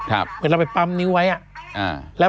เหมือนเราไปปั๊มนิ้วไว้อ่ะ